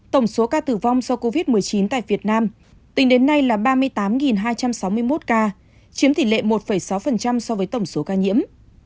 tổng số ca tử vong do covid một mươi chín tại việt nam tính đến nay là ba mươi tám hai trăm sáu mươi một ca chiếm tỷ lệ một sáu so với tổng số ca nhiễm